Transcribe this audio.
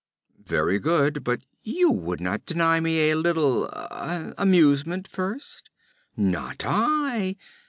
'Very good; but you would not deny me a little ah amusement first?' 'Not I!